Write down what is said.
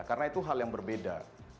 karena itu hal yang berbeda